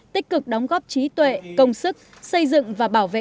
tích cực đóng góp trí tuệ công sức xây dựng và bảo vệ